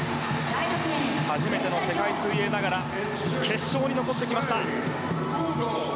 初めての世界水泳ながら決勝に残ってきました。